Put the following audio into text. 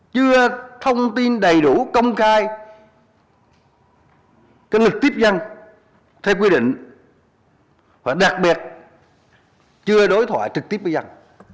chưa thông tin đầy đủ công khai cái lực tiếp dân theo quy định và đặc biệt chưa đối thoại trực tiếp với dân